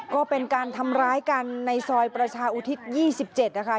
ก็เป็นการทำร้ายกันในซอยประชาอุทิศ๒๗นะคะ